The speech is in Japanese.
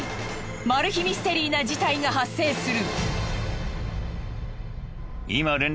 マル秘ミステリーな事態が発生する！